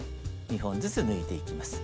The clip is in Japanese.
２本ずつ抜いていきます。